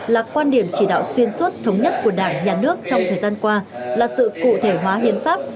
là quan điểm chỉ đạo xuyên suốt thống nhất của đảng nhà nước trong thời gian qua là sự cụ thể hóa hiến pháp